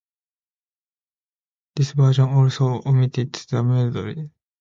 This version also omitted the medleys.